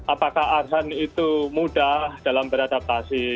apakah arsan itu mudah dalam beradaptasi